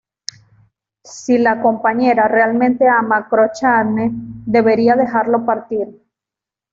Si la "Compañera" realmente ama a Cochrane, debería dejarlo partir.